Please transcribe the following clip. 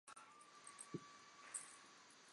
中文繁体版由台湾角川发行。